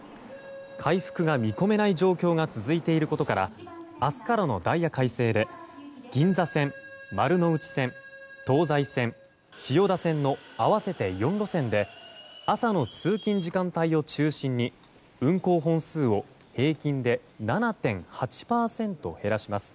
回復が見込めない状況が続いていることから明日からのダイヤ改正で銀座線、丸ノ内線東西線、千代田線の合わせて４路線で朝の通勤時間帯を中心に運行本数を平均で７．８％減らします。